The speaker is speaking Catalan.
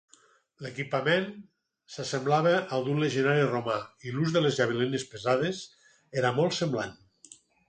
L'equipament s'assemblava al d'un legionari romà i l'ús de les javelines pesades era molt semblant.